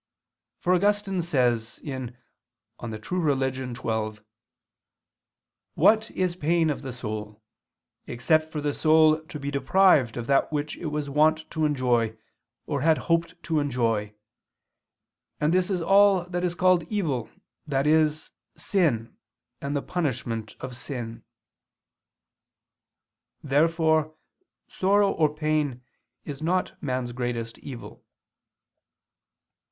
For Augustine says (De Vera Relig. xii): "What is pain of the soul, except for the soul to be deprived of that which it was wont to enjoy, or had hoped to enjoy? And this is all that is called evil, i.e. sin, and the punishment of sin." Therefore sorrow or pain is not man's greatest evil.